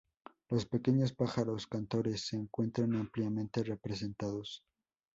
Los pequeños pájaros cantores se encuentran ampliamente representados.